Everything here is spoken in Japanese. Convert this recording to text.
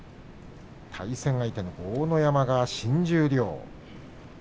対戦相手の豪ノ山が新十両。